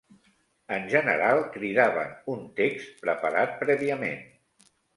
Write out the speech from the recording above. En general, cridaven un text preparat prèviament